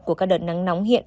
của các đợt nắng nóng hiện